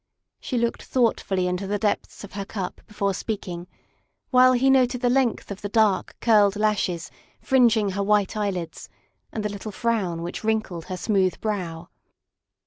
She looked thoughtfully into the depths of her cup before speaking, while he noted the length of the dark, curled lashes fringing her white eyelids and the little frown which wrinkled her smooth brow.